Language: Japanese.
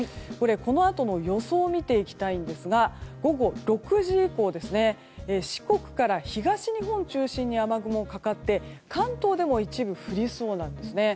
このあとの予想を見ていきますと午後６時以降四国から東日本を中心に雨雲がかかって関東でも一部降りそうなんです。